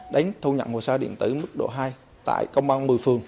đánh thâu nhận hồ xa điện tử mức độ hai tại công an một mươi phường